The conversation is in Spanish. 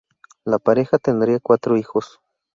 La pareja tendría cuatro hijos.